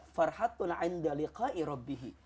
farhatun enda liqai rabbihi